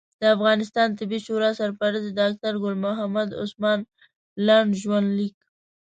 د افغانستان طبي شورا سرپرست ډاکټر ګل محمد عثمان لنډ ژوند لیک